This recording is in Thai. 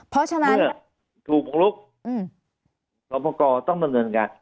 เพราะฉะนั้นถูกบุกลุกสอบประกอบต้องดำเนินการ